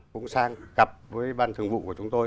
cũng sang cặp với ban thường vụ của chúng tôi